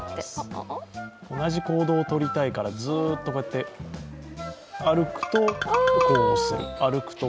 同じ行動をとりたいからずーっとこうやって、歩くとこうする。